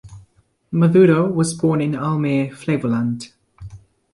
Maduro was born in Almere, Flevoland.